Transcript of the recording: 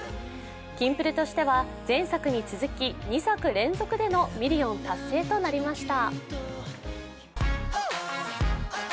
キンプリとしては前作に続き２作連続でのミリオン達成となりました。